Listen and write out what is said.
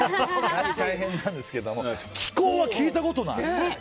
大変なんですけども気功は聞いたことない。